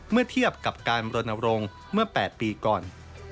เมื่อเทียบกับการรณรงค์เมื่อ๘ปีก่อน